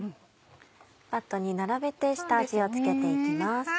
バットに並べて下味を付けていきます。